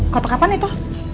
kotak kapan itu